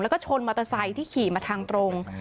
แล้วก็ชนมอเตอร์ไซค์ที่ขี่มาทางตรง